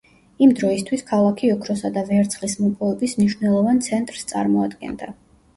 იმ დროისთვის ქალაქი ოქროსა და ვერცხლის მოპოვების მნიშვნელოვან ცენტრს წარმოადგენდა.